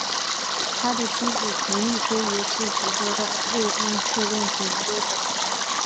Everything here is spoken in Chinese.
他的妻子陈丽菲也是执着的慰安妇问题研究者。